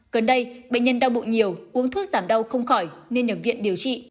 gần đây bệnh nhân đau bụng nhiều uống thuốc giảm đau không khỏi nên nhập viện điều trị